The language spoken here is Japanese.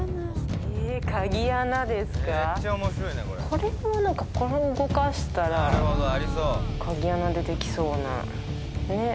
これが何かこれ動かしたら鍵穴出てきそうなねっ